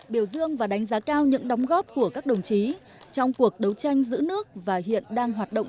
biểu dương và đánh giá cao những đóng góp của các đồng chí trong cuộc đấu tranh giữ nước và hiện đang hoạt động